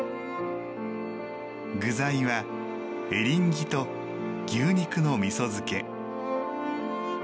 具材はエリンギと牛肉の味噌漬け。